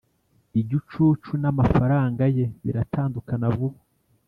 igicucu n'amafaranga ye biratandukana vuba